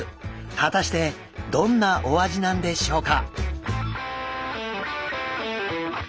果たしてどんなお味なんでしょうか？